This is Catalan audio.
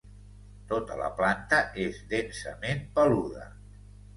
Tota la planta és densament peluda.